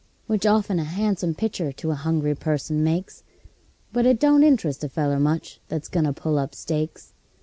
Which often a han'some pictur' to a hungry person makes, But it don't interest a feller much that's goin' to pull up stakes.